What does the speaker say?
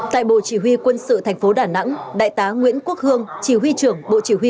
tại bộ chỉ huy quân sự thành phố đà nẵng đại tá nguyễn quốc hương chỉ huy trưởng bộ chỉ huy